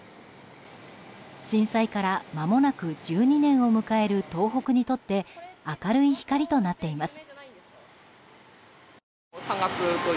震災からまもなく１２年を迎える東北にとって明るい光となっています。